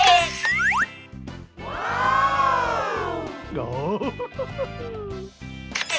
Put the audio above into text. เอาอีก